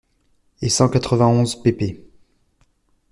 et cent quatre-vingt-onze pp.